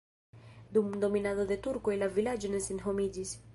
Dum dominado de turkoj la vilaĝo ne senhomiĝis.